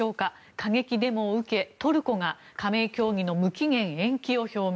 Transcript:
過激デモを受け、トルコが加盟協議の無期限延期を表明。